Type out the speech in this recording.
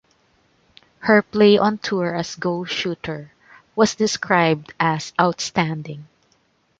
Her play on tour as goal shooter was described as "outstanding".